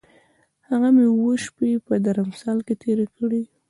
هلته مې اووه شپې په درمسال کې تېرې کړې.